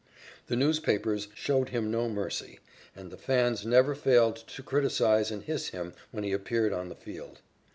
The newspapers showed him no mercy, and the fans never failed to criticise and hiss him when he appeared on the field.